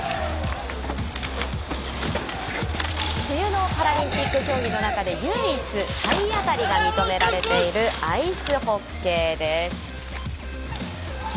冬のパラリンピック競技の中で唯一体当たりが認められているアイスホッケーです。